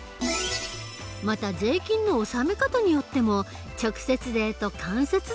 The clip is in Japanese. また税金の納め方によっても直接税と間接税がある。